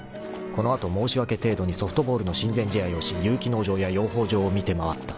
［この後申し訳程度にソフトボールの親善試合をし有機農場や養蜂場を見て回った］